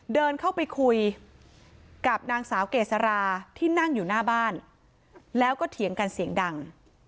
เดินเข้าไปคุยกับนางสาวเกษราที่นั่งอยู่หน้าบ้านแล้วก็เถียงกันเสียงดัง